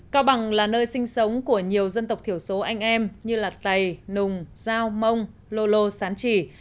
cao bằng là nơi sinh sống của nhiều dân tộc thiểu số anh em như tày nùng giao mông lô lô sán trì